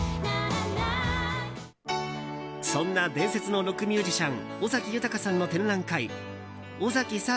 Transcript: そんな伝説のロックミュージシャン尾崎豊さんの展覧会